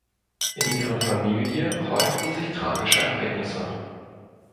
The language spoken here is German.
In ihrer Familie häuften sich tragische Ereignisse.